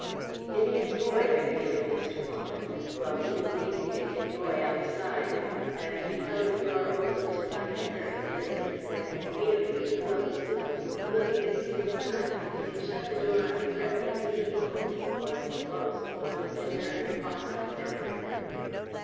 "The idiot boy!" repeated Mr. Pollard. "Well, we will leave the idiot boy outside." And he held the door open till I had hurried in, when he vehemently closed it, looking at the same time as if he had shut the door on a threatening evil, or, at the most, on a bitter and haunting memory.